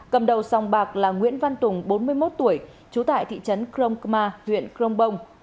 cầm đầu sòng bạc là nguyễn văn tùng bốn mươi một tuổi trú tại thị trấn crông cma huyện crông bồng